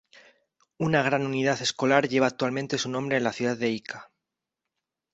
Una gran unidad escolar lleva actualmente su nombre en la ciudad de Ica.